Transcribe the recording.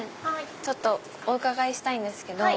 ちょっとお伺いしたいんですけど。